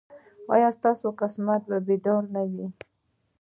ایا ستاسو قسمت به بیدار نه وي؟